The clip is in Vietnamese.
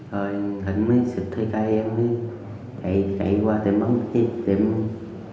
rồi thịnh mới xịt hơi cay em mới chạy qua tiệm bóng tiệm bóng